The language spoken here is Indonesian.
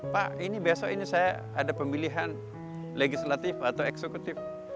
pak ini besok ini saya ada pemilihan legislatif atau eksekutif